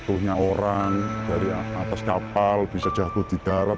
punya orang dari atas kapal bisa jatuh di darat